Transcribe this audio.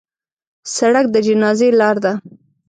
سړک د جنازې لار ده.